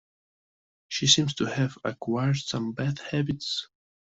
She seems to have acquired some bad habits